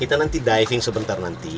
kita nanti diving sebentar nanti